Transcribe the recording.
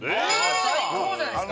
最高じゃないですか！